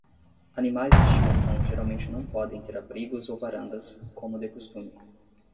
Animais de estimação geralmente não podem ter abrigos ou varandas, como de costume.